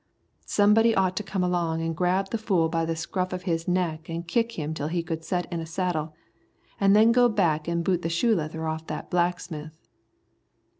"Somebody ought to come along an' grab the fool by the scruff of his neck an' kick him till he couldn't set in a saddle, an' then go back an' boot the sole leather off the blacksmith."